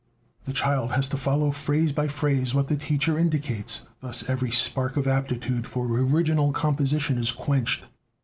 The child has to follow phrase by phrase what the teacher indicates; thus every spark of aptitude for original composition is quenched.